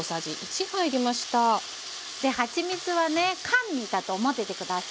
はちみつはね甘味だと思ってて下さい。